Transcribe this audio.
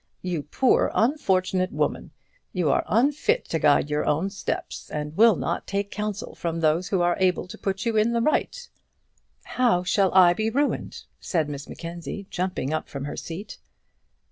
You poor unfortunate woman, you are unfit to guide your own steps, and will not take counsel from those who are able to put you in the right way!" "How shall I be ruined?" said Miss Mackenzie, jumping up from her seat.